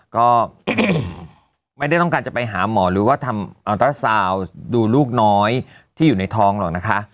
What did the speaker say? ก็ไม่ได้ต้องการจะไปหาหมอหรือว่าทำอัลตราซาวน์ดูลูกน้อยที่อยู่ในท้องหรอกนะคะ